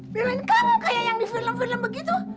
film kamu kayak yang di film film begitu